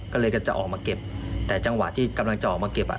ก็เลยก็จะออกมาเก็บแต่จังหวะที่กำลังจะออกมาเก็บอ่ะ